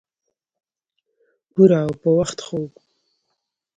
پوره او پۀ وخت خوب